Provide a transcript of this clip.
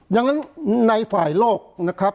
ดังนั้นในฝ่ายโลกนะครับ